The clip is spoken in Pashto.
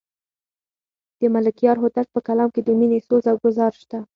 د ملکیار هوتک په کلام کې د مینې سوز او ګداز شته.